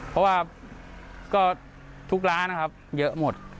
เพราะว่าก็ทุกร้านนะครับเยอะหมด